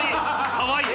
かわいい。